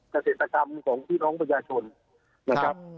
เกษตรกรรมของพี่น้องประชาชนนะครับ